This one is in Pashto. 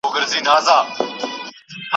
زه د خيالـونو سره شپـــې تـېروم